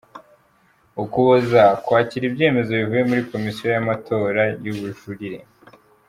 Ukuboza : Kwakira ibyemezo bivuye muri Komisiyo y’Amatora y’ubujurire;.